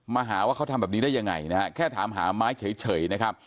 มาหาว่าเขาทำแบบนี้ได้ยังไงนะฮะแค่ถามหาไม้เฉยนะครับ